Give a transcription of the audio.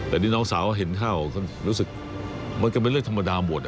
แต่นี่น้องสาวเห็นเข้าก็รู้สึกมันก็เป็นเรื่องธรรมดาหมด